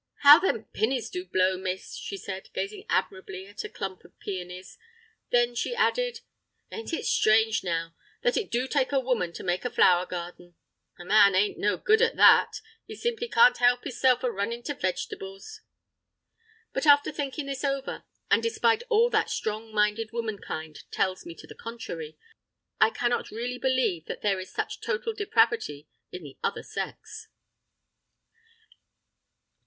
"How them pinnies do blow, miss!" she said, gazing admiringly at a clump of peonies. Then she added— "Ain't it strange, now, that it do take a woman to make a flower garden? A man ain't no good at that; he simply can't help hisself a running to veg'tables!" But after thinking this over, and despite all that strong minded womankind tells me to the contrary, I cannot really believe that there is such total depravity in the other sex!